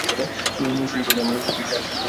শশীবাবুকে আমার বিশেষ আশীর্বাদ ও প্রণয় দিও।